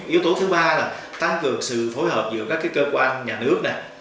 yếu tố thứ ba là tăng cường sự phối hợp giữa các cơ quan nhà nước